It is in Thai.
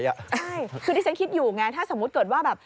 ใช่คือที่ฉันคิดอยู่ไงถ้าสมมุติเกิดว่าแบบ